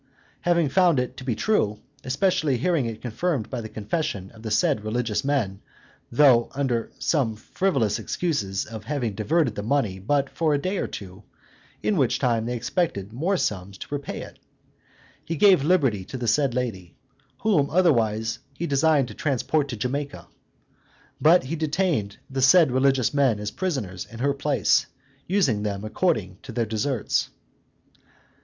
Having found it to be true especially hearing it confirmed by the confession of the said religious men, though under some frivolous excuses of having diverted the money but for a day or two, in which time they expected more sums to repay it he gave liberty to the said lady, whom otherwise he designed to transport to Jamaica. But he detained the said religious men as prisoners in her place, using them according to their desserts.